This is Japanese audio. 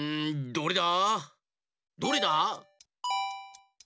どれだ？